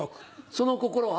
その心は？